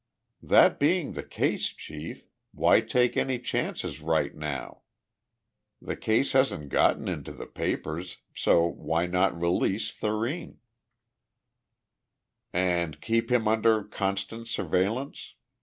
"That being the case, Chief, why take any chances right now? The case hasn't gotten into the papers, so why not release Thurene?" "And keep him under constant surveillance?